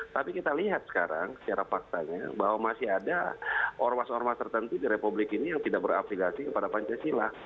tapi kita lihat sekarang secara faktanya bahwa masih ada ormas ormas tertentu di republik ini yang tidak berafiliasi kepada pancasila